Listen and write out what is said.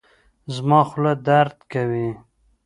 زما خوله درد کوي